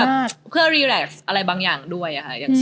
แล้วมันแบบเพื่อรีแร็กซ์อะไรบางอย่างด้วย